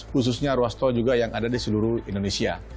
khususnya ruas tol juga yang ada di seluruh indonesia